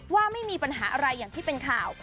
ว่าไม่มีปัญหาอะไรอย่างที่เป็นข่าว